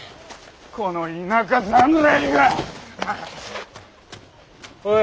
この田舎侍が！おい。